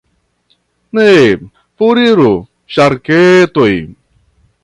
Ne, foriru ŝarketoj!